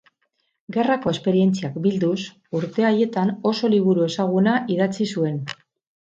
Gerrako esperientziak bilduz urte haietan oso liburu ezaguna idatzi zuen.